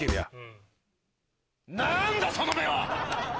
なんだその目は！